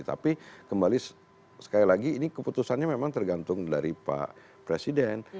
tapi kembali sekali lagi ini keputusannya memang tergantung dari pak presiden